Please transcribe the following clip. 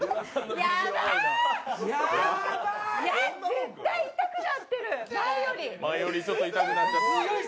絶対前より痛くなってる！